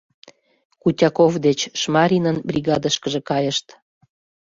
Кутяков деч Шмаринын бригадышкыже кайышт.